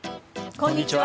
こんにちは。